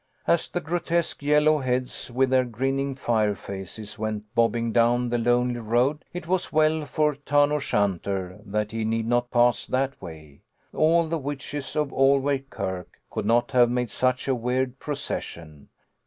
As the gro tesque yellow heads with their grinning fire faces went bobbing down the lonely road, it was well for Tarn O'Shanter that he need not pass that way. All the witches of Allway Kirk could not have made such a weird procession.